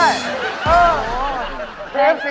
ว่าโน้นกรอบอยู่ได้โอ้โฮ